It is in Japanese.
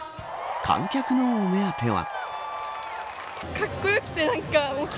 観客のお目当ては。